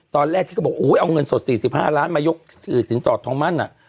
ตอนแรกที่เขาบอกเอาเงินสด๔๕ล้านมายกสินสอดทองมั่น